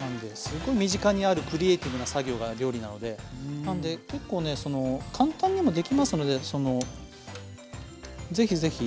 なんですごい身近にあるクリエーティブな作業が料理なのでなんで結構ねその簡単にもできますので是非是非。